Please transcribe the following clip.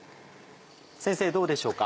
先生どうでしょうか。